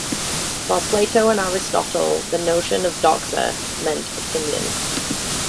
For Plato and Aristotle, the notion of "doxa" meant "opinion".